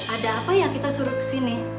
ada apa yang kita suruh kesini